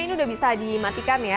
ini udah bisa dimatikan ya